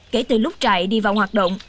kể từ lúc trại đi vào hoạt động